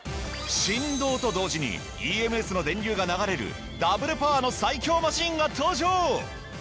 振動と同時にＥＭＳの電流が流れるダブルパワーの最強マシンが登場。